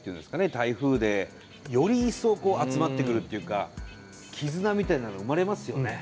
台風でより一層こう集まってくるっていうか絆みたいなの生まれますよね。